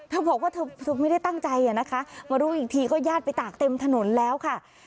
เธอบอกว่าเธอไม่ได้ตั้งใจนะคะมารู้อีกทีก็ญาติไปตากเต็มถนนแล้วค่ะ